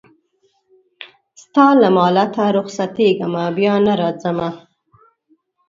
ستا له مالته رخصتېږمه بیا نه راځمه